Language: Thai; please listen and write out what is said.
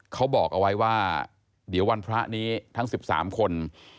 เขาบอกเอาไว้ว่าเดี๋ยววันพระนี้ทั้ง๑๓คน